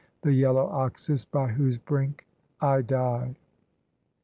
The yellow Oxus, by whose brink I die."